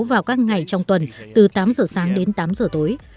vào các ngày trong tuần từ tám giờ sáng đến tám giờ tối